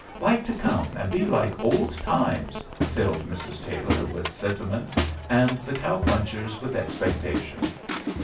"Like to come and be like old times" filled Mrs. Taylor with sentiment and the cow punchers with expectation.